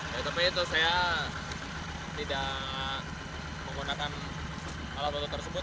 ya tapi itu saya tidak menggunakan alat foto tersebut